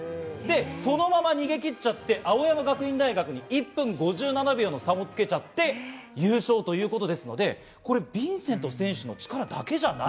そのまま逃げ切って、青山学院大学に１分５７秒の差をつけて、優勝ということですので、これはヴィンセント選手だけの力じゃない。